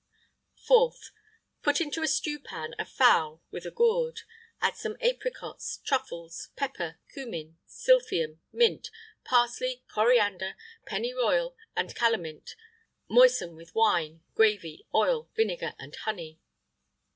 [IX 70] 4th. Put into a stewpan a fowl, with a gourd; add some apricots, truffles, pepper, cummin, sylphium, mint, parsley, coriander, pennyroyal, and calamint; moisten with wine, gravy, oil, vinegar, and honey.